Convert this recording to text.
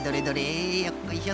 よっこいしょっと。